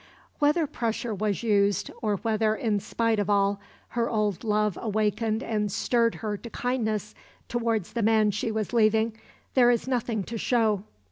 Whether pressure was used, or whether, in spite of all, her old love awakened and stirred her to kindness towards the man she was leaving, there is nothing to show.